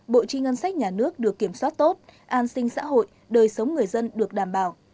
bộ chi ngân sách nhà nước được kiểm soát tốt an sinh xã hội đời sống người dân được đảm bảo